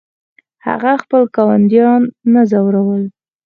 هغه خپل ګاونډیان نه ځورول.